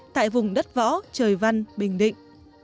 tại vùng đất võ trời văn bình định